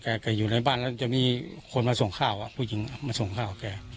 แกอยู่ในบ้านแล้วจะมีคนมาส่งข้าวผู้หญิงมาส่งข้าวแก